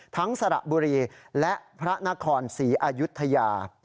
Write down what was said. สระบุรีและพระนครศรีอายุทยา